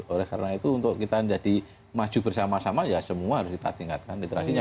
oleh karena itu untuk kita jadi maju bersama sama ya semua harus kita tingkatkan literasinya